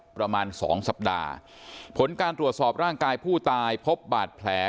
ประมาณสองสัปดาห์ผลการตรวจสอบร่างกายผู้ตายพบบาดแผล